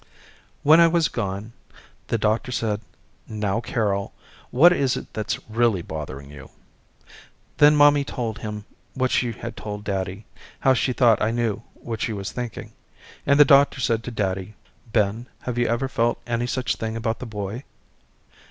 When I was gone the doctor said now Carol what is it that's really bothering you? Then mommy told him what she had told daddy, how she thought I knew what she was thinking, and the doctor said to daddy, Ben, have you ever felt any such thing about the boy?